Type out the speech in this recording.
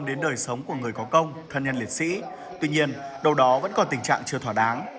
đến đời sống của người có công thân nhân liệt sĩ tuy nhiên đâu đó vẫn còn tình trạng chưa thỏa đáng